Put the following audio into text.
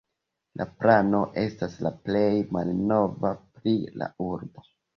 La plano estas la plej malnova pri la urbo.